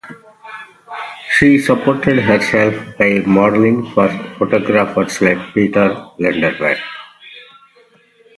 She supported herself by modeling for photographers like Peter Lindbergh.